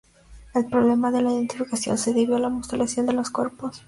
El problema de la identificación se debió a la mutilación de los cuerpos.